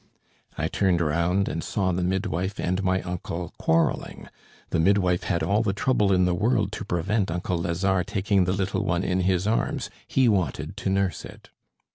I turned round and saw the midwife and my uncle quarrelling. The midwife had all the trouble in the world to prevent uncle Lazare taking the little one in his arms. He wanted to nurse it.